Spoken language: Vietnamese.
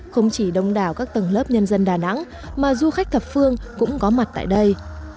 không chỉ đông đảo các tầng lớp nhân dân đà nẵng mà du khách thập phương cũng có mặt tại đây